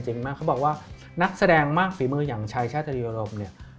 มากเขาบอกว่านักแสดงมากฝีมืออย่างชายชาตรีอารมณ์เนี่ย